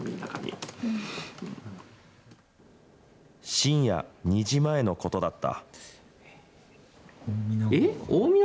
深夜２時前のことだった。